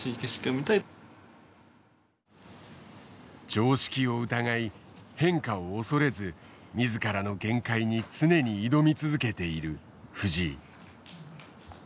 常識を疑い変化を恐れず自らの限界に常に挑み続けている藤井。